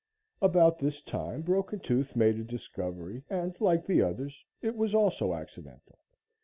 About this time Broken Tooth made a discovery and, like the others, it was also accidental.